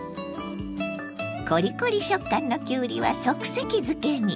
コリコリ食感のきゅうりは即席漬けに。